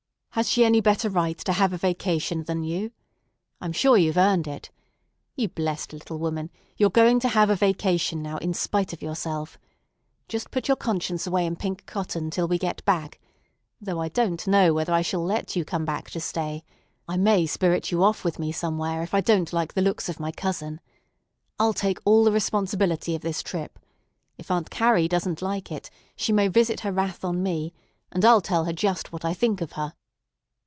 "Has she any better right to have a vacation than you? I'm sure you've earned it. You blessed little woman, you're going to have a vacation now, in spite of yourself. Just put your conscience away in pink cotton till we get back—though I don't know whether I shall let you come back to stay. I may spirit you off with me somewhere if I don't like the looks of my cousin. I'll take all the responsibility of this trip. If Aunt Carrie doesn't like it, she may visit her wrath on me, and I'll tell her just what I think of her.